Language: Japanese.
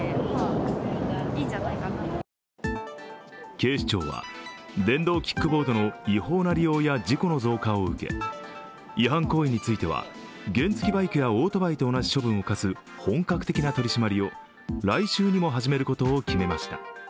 警視庁は、電動キックボードの違法な利用者や事故の増加を受け違反行為については原付きバイクやオートバイと同じ処分を科す本格的な取締りを来週にも始めることを決めました。